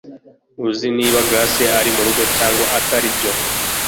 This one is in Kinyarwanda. Uzi niba Grace ari murugo cyangwa ataribyo?